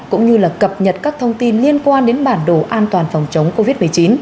cũng như là cập nhật các thông tin liên quan đến bản đồ an toàn phòng chống covid một mươi chín